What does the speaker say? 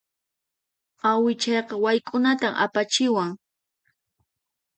Awichayqa wayk'unatan apachiwan.